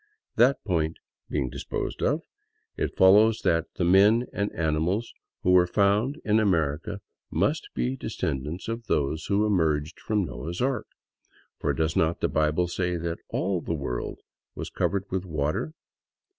That point being disposed of, it follows that " the men and animals who were found in America must be descendants of those who emerged from Noah's ark; for does not the Bible say that all the world was covered with water?